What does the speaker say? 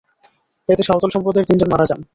এতে সাঁওতাল সম্প্রদায়ের তিনজন মারা যান।